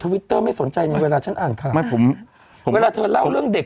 วิตเตอร์ไม่สนใจในเวลาฉันอ่านข่าวไม่ผมเวลาเธอเล่าเรื่องเด็ก